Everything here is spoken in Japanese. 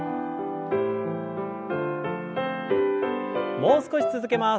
もう少し続けます。